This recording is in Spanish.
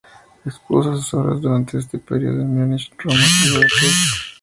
Expuso sus obras durante este periodo en Múnich, Roma y Budapest.